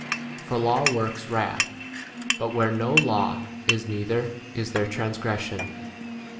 For law a works wrath ; but b where no law is neither [is 16 there] transgression.